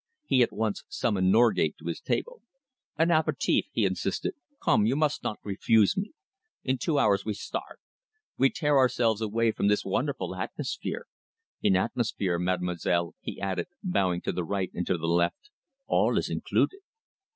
He at once summoned Norgate to his table. "An apéritif," he insisted. "Come, you must not refuse me. In two hours we start. We tear ourselves away from this wonderful atmosphere. In atmosphere, mademoiselle," he added, bowing to the right and the left, "all is included."